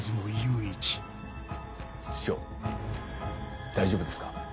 室長大丈夫ですか？